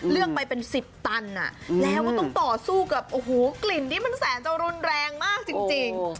เลือกไปเป็น๑๐ตันแล้วต้องต่อสู้กับกลิ่นที่มันแสนเจ้ารุนแรงมากจริง